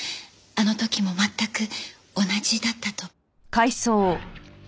あの時も全く同じだったと。